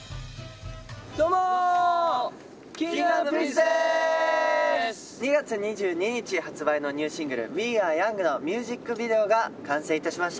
どうもー、Ｋｉｎｇ＆Ｐｒｉ２月２２日発売のニューシングル、ウィー・アー・ヤングのミュージックビデオが完成いたしました。